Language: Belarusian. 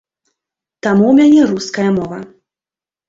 Таму ў мяне руская мова.